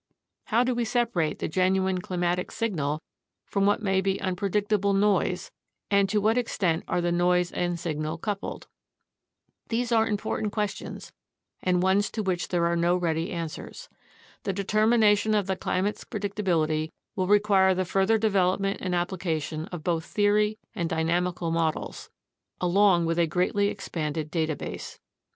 How do we separate the genuine climatic signal from what may be un predictable "noise," and to what extent are the noise and signal coupled? These are important questions, and ones to which there are no ready answers. The determination of the climate's predictability will require the further development and application of both theory and dynamical models, along with a greatly expanded data base.